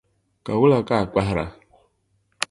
Ka wula ka a kpahira.